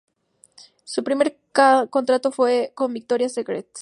Su primer contrato fue con Victoria’s Secret.